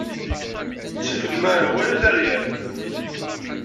Ttif nnmara wala taryalt.